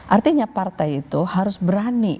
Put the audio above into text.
artinya partai itu harus berani